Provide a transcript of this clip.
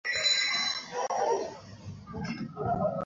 কেউ সাহায্য করুন!